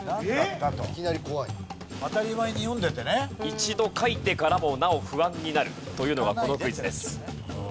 一度書いてからもなお不安になるというのがこのクイズです。